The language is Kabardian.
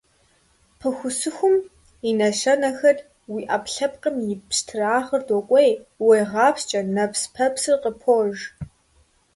Пыхусыхум и нэщэнэхэр: уи Ӏэпкълъэпкъым и пщтырагъыр докӀуей, уегъапсчэ, нэпс-пэпсыр къыпож.